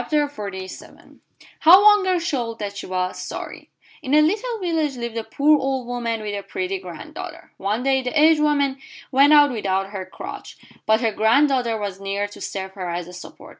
HOW ONE GIRL SHOWED THAT SHE WAS SORRY In a little village lived a poor old woman with a pretty granddaughter. One day the aged woman went out without her crutch, but her granddaughter was near to serve her as a support.